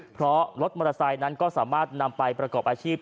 เพราะรถมอเตอร์ไซค์นั้นก็สามารถนำไปประกอบอาชีพ